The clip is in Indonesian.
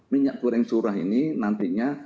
minyak goreng curah ini nantinya